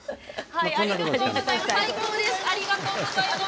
ありがとうございます。